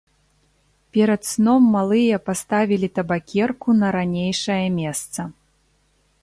Перад сном малыя паставілі табакерку на ранейшае месца.